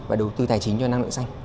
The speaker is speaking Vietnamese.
và đầu tư tài chính cho năng lượng xanh